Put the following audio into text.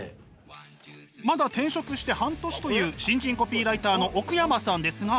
まだ転職して半年という新人コピーライターの奥山さんですが。